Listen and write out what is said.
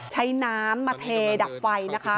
ใช้น้ำมาเทดับไฟนะคะ